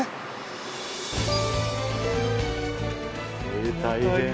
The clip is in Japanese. えぇ大変。